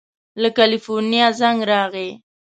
له کلیفورنیا زنګ راغی.